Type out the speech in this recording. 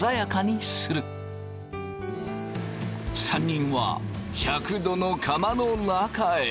３人は１００℃の釜の中へ。